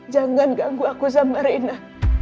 jangan ganggu aku sama arena